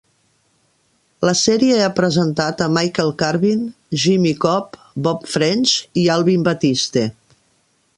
La sèrie ha presentat a Michael Carvin, Jimmy Cobb, Bob French i Alvin Batiste.